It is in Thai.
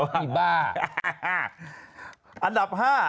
นี่บ้า